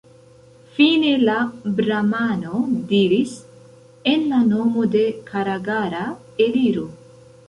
Fine la bramano diris: « En la nomo de Karagara, eliru!